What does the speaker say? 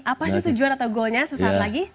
apa sih tujuan atau goalnya sesaat lagi